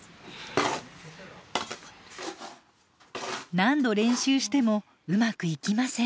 何度練習してもうまくいきません。